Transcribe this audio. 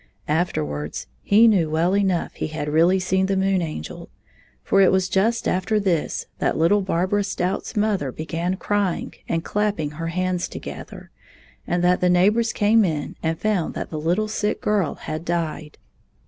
Afterwards he knew well enough he had really seen the Moon Angel, for it was just after this that little Barbara Stout's mother began crpng and clapping her hands together, and that the neighbors came in and found that the Uttle sick girl had died.